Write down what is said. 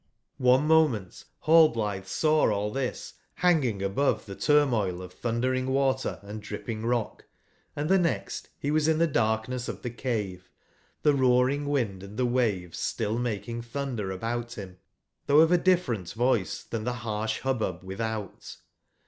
One moment ballblitbe saw all tbis banging above tbe turmoil of tbundering water and dripping rock and tbe next be was in tbe darkness of tbe cave, tbe roaring wind and tbe waves still making tbunder about bim, tbougb of a different voice from tbe C4 23 harsh hubbub withou t.